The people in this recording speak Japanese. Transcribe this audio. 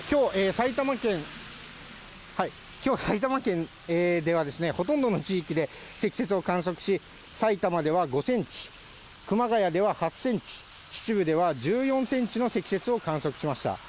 きょう、埼玉県では、ほとんどの地域で積雪を観測し、さいたまでは５センチ、熊谷では８センチ、秩父では１４センチの積雪を観測しました。